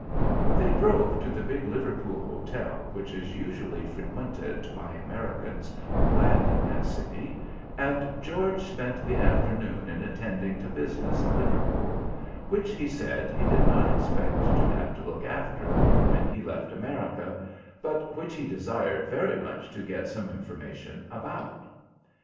They drove to the big Liverpool hotel which is usually frequented by Americans who land in that city, and George spent the afternoon in attending to business in Liverpool, which he said he did not expect to have to look after when he left America, but which he desired very much to get some information about.